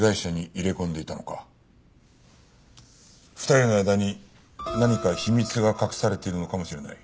２人の間に何か秘密が隠されているのかもしれない。